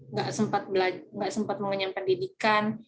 nggak sempat mengenyam pendidikan